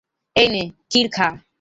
এই নে, খির খা।